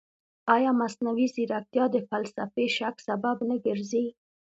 ایا مصنوعي ځیرکتیا د فلسفي شک سبب نه ګرځي؟